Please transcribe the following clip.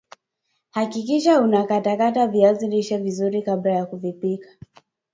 hakikisha unakatakata viazi lishe vizuri kabla ya kupika